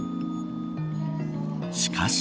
しかし。